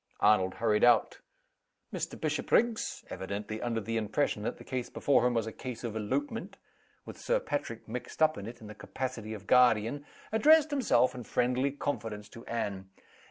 Arnold hurried out. Mr. Bishopriggs evidently under the impression that the case before him was a case of elopement, with Sir Patrick mixed up in it in the capacity of guardian addressed himself, in friendly confidence, to Anne.